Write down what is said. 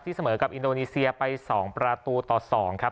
เสมอกับอินโดนีเซียไป๒ประตูต่อ๒ครับ